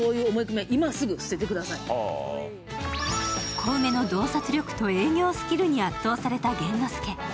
小梅の洞察力と営業スキルに圧倒された玄之介。